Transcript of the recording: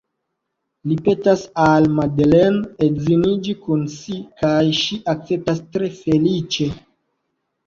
Li petas al Madeleine edziniĝi kun si, kaj ŝi akceptas tre feliĉe.